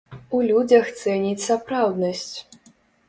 У людзях цэніць сапраўднасць.